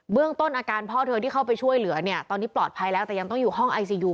เรื่องต้นอาการพ่อเธอที่เข้าไปช่วยเหลือเนี่ยตอนนี้ปลอดภัยแล้วแต่ยังต้องอยู่ห้องไอซียู